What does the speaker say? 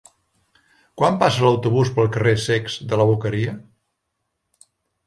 Quan passa l'autobús pel carrer Cecs de la Boqueria?